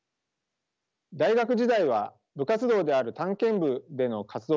大学時代は部活動である探検部での活動に熱中。